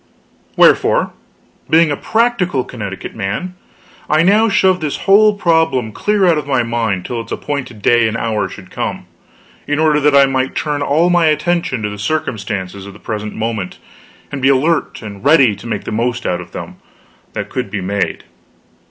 Wherefore, being a practical Connecticut man, I now shoved this whole problem clear out of my mind till its appointed day and hour should come, in order that I might turn all my attention to the circumstances of the present moment, and be alert and ready to make the most out of them that could be made.